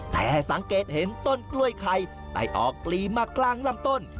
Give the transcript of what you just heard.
แต่สังเกตเห็นต้นกล้วยไข่ได้ออกปลีมากลางลำต้น